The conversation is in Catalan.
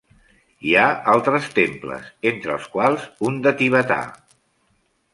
Hi ha altres temples entre els quals un de tibetà.